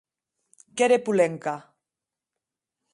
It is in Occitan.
Qu’ère Polenka.